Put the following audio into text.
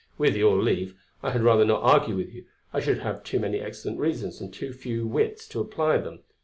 With your leave, I had rather not argue with you; I should have too many excellent reasons and too few wits to apply them.